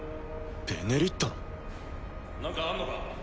「ベネリット」の？なんかあんのか？